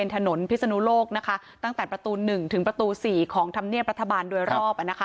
ตั้งแต่ประตู๑ถึงประตู๔ของธรรมเนียนปรัฐบาลโดยรอบ